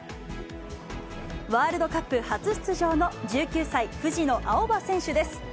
ワールドカップ初出場の１９歳、藤野あおば選手です。